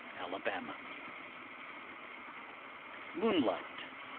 Alabama. MOONLIGHT.